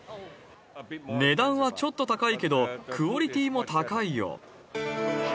値段はちょっと高いけど、クオリティも高いよ。